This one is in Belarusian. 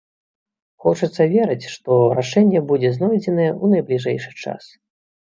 Хочацца верыць, што рашэнне будзе знойдзенае ў найбліжэйшы час.